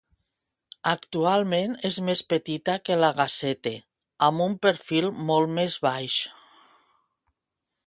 Actualment és més petita que la Gazette, amb un perfil molt més baix.